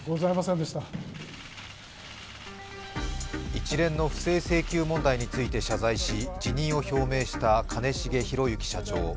一連の不正請求問題について謝罪し辞任を表明した兼重宏行社長。